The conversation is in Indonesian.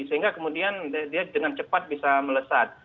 sehingga kemudian dia dengan cepat bisa melesat